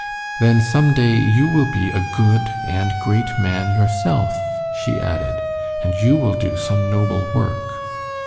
"Then some day you will be a good and great man yourself," she added, "and you will do some noble work."